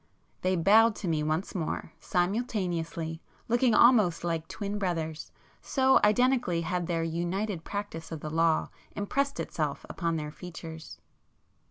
They bowed to me once more, simultaneously, looking almost like twin brothers, so identically had their united practice of the law impressed itself upon their features.